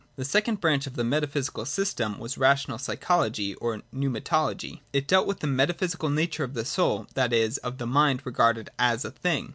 34.J The second branch of the metaphysical system was Rational Psychology or Pneumatology. It dealt with the metaphysical nature of the Soul,— that is, of the Mind regarded as a thing.